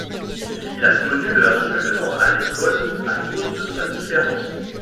Il a connu le harcèlement à l'école à cause de sa différence.